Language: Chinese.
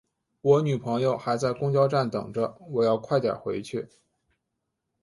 我女朋友还在公交站等着，我要快点回去。